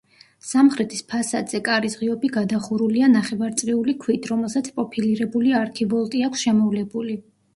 სამხრეთის ფასადზე კარის ღიობი გადახურულია ნახევარწრიული ქვით, რომელსაც პროფილირებული არქივოლტი აქვს შემოვლებული.